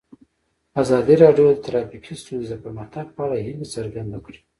ازادي راډیو د ټرافیکي ستونزې د پرمختګ په اړه هیله څرګنده کړې.